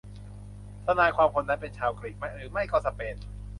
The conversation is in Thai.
ทนายความคนนั้นเป็นชาวกรีกหรือไม่ก็สเปน